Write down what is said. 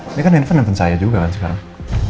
ini kan handphone saya juga kan sekarang